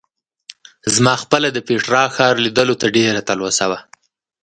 زما خپله د پېټرا ښار لیدلو ته ډېره تلوسه وه.